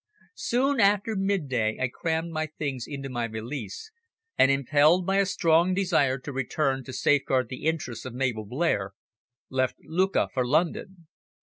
Soon after midday, I crammed my things into my valise, and, impelled by a strong desire to return to safeguard the interests of Mabel Blair, left Lucca for London.